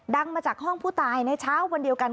มาจากห้องผู้ตายในเช้าวันเดียวกัน